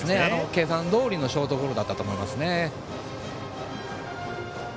計算どおりのショートゴロだったと思います。